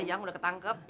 ayam udah ketangkep